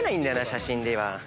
写真では。